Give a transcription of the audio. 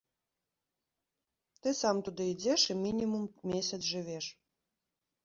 Ты сам туды ідзеш і мінімум месяц жывеш.